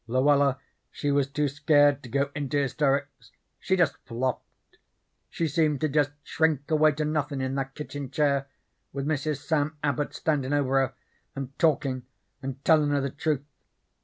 Luella she was too scared to go into hysterics. She jest flopped. She seemed to jest shrink away to nothin' in that kitchen chair, with Mrs. Sam Abbot standin' over her and talkin' and tellin' her the truth.